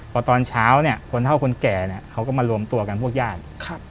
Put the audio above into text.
พอตอนเช้าเนี่ยคนเท่าคนแก่เนี่ยเขาก็มารวมตัวกันพวกญาติ